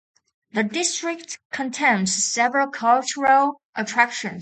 The district contains several cultural attractions.